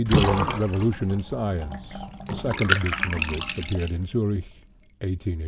Duhring's "Revolution in Science"), a second edition of which appeared in Zurich, 1886.